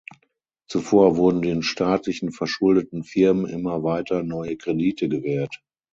Zuvor wurden den staatlichen, verschuldeten Firmen immer weiter neue Kredite gewährt.